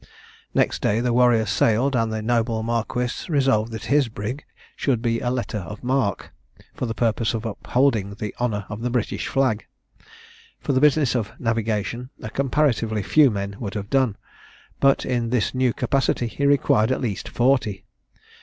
Next day the Warrior sailed; and the noble marquis resolved that his brig should be a letter of marque, for the purpose of upholding the honour of the British flag. For the business of navigation, a comparatively few men would have done; but in this new capacity he required at least forty.